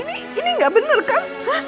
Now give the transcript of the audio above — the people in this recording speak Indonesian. ini enggak bener kan